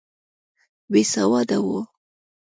بېسواده وو.